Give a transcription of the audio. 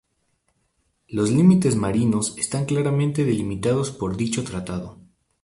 Los límites marinos están claramente delimitados por dicho tratado.